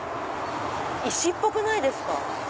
石っぽくないですか？